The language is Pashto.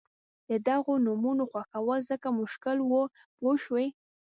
د دغو نومونو خوښول ځکه مشکل وو پوه شوې!.